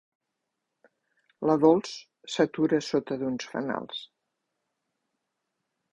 La Dols s'atura sota un dels fanals.